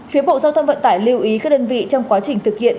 phía bộ giao thông vận tải lưu ý các đơn vị trong quá trình thực hiện